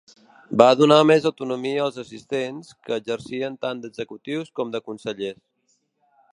Va donar més autonomia als assistents, que exerciren tant d'executius com de consellers.